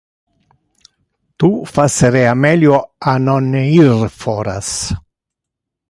Tu facerea melio a non ir foras.